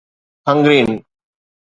Hungarian